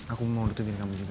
aku mau deketin kamu juga